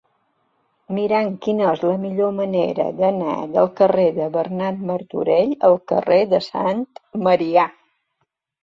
Mira'm quina és la millor manera d'anar del carrer de Bernat Martorell al carrer de Sant Marià.